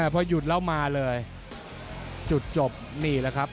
พอหยุดแล้วมาเลยจุดจบนี่แหละครับ